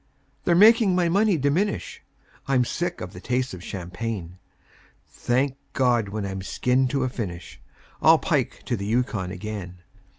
They're making my money diminish; I'm sick of the taste of champagne. Thank God! when I'm skinned to a finish I'll pike to the Yukon again.